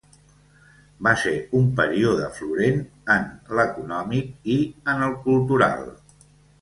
Va ser un període florent en l'econòmic i en el cultural.